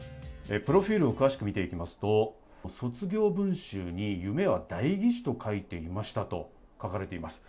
プロフィルを見ていきますと卒業文集に夢は代議士と書いていましたと書かれています。